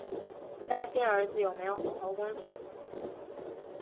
担心儿子有没有好好工作